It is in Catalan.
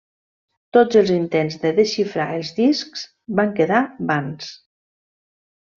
Tots els intents de desxifrar els discs van quedar vans.